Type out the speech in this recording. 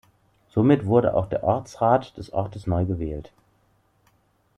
Somit wurde auch der Ortsrat des Ortes neu gewählt.